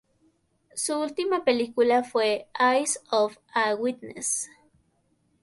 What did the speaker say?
Su última película fue "Eyes of a Witness".